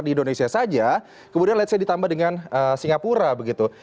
di indonesia saja kemudian let's say ditambah dengan singapura begitu